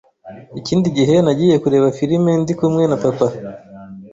Ikindi gihe nagiye kureba filme ndi kumwe na papa